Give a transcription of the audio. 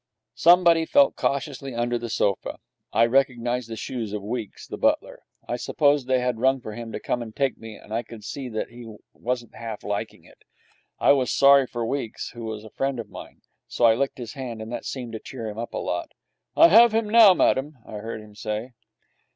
Somebody felt cautiously under the sofa. I recognized the shoes of Weeks, the butler. I suppose they had rung for him to come and take me, and I could see that he wasn't half liking it. I was sorry for Weeks, who was a friend of mine, so I licked his hand, and that seemed to cheer him up a whole lot. 'I have him now, madam,' I heard him say.